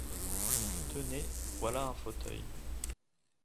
Tenez, voilà un fauteuil !